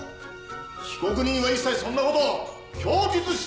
被告人は一切そんな事を供述してなかっただろう！